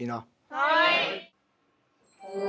はい。